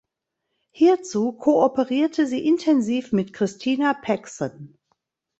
Hierzu kooperierte sie intensiv mit Christina Paxson.